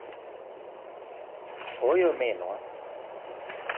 Oyo minwa.